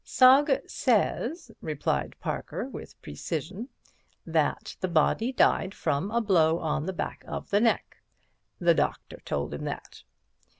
"Sugg says," replied Parker, with precision, "that the body died from a blow on the back of the neck. The doctor told him that.